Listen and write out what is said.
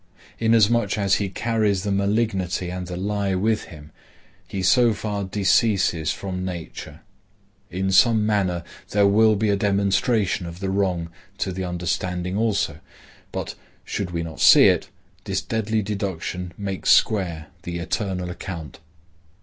Inasmuch as he carries the malignity and the lie with him he so far deceases from nature. In some manner there will be a demonstration of the wrong to the understanding also; but, should we not see it, this deadly deduction makes square the eternal account.